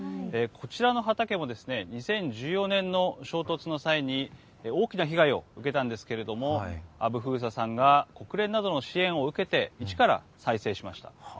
こちらの畑も２０１４年の衝突の際に大きな被害を受けたんですけれどもアブフーサさんが国連などの支援を受けて一から再生しました。